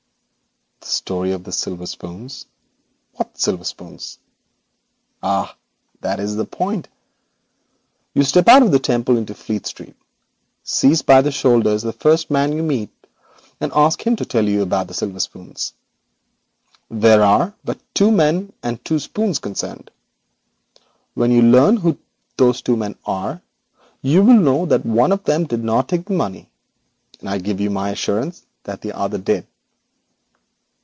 'The story of the silver spoons! What silver spoons?' 'Ah! That is the point. Step out of the Temple into Fleet Street, seize the first man you meet by the shoulder, and ask him to tell you about the silver spoons. There are but two men and two spoons concerned. When you learn who those two men are, you will know that one of them did not take the money, and I give you my assurance that the other did.'